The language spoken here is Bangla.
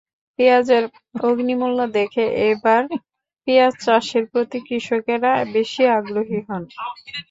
পেঁয়াজের অগ্নিমূল্য দেখে এবার পেঁয়াজ চাষের প্রতি কৃষকেরা বেশি আগ্রহী হন।